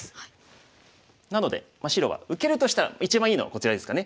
なので白は受けるとしたら一番いいのはこちらですかね。